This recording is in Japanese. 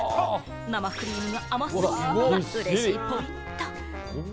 生クリームが甘すぎないのも、うれしいポイント！